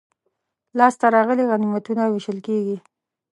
لاسته راغلي غنیمتونه وېشل کیږي.